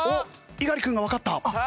猪狩君がわかった。